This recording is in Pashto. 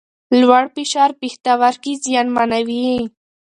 لوړ فشار پښتورګي زیانمنوي.